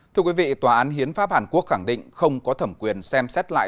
thưa quý vị tòa án hiến pháp hàn quốc khẳng định không có thẩm quyền xem xét lại